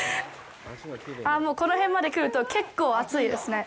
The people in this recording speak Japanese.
この辺まで来るとけっこう熱いですね。